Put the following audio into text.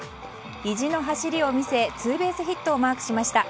意地の走りを見せツーベースヒットをマークしました。